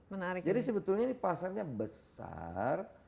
menarik jadi sebetulnya ini pasarnya besar